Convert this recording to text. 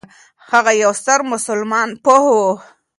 هغه یو ستر مسلمان پوه و.